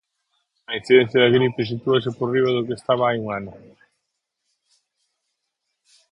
A incidencia da gripe sitúase por riba do que estaba hai un ano